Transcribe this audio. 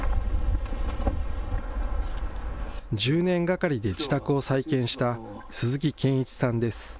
１０年がかりで自宅を再建した鈴木堅一さんです。